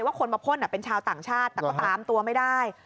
คนมาพ่นเป็นชาวต่างชาติแต่ก็ตามตัวไม่ได้